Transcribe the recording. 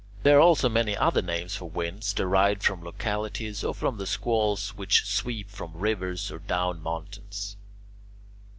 There are also many other names for winds derived from localities or from the squalls which sweep from rivers or down mountains.